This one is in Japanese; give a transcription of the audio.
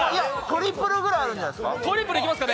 トリプルぐらいあるんじゃないですか？